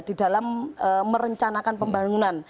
di dalam merencanakan pembangunan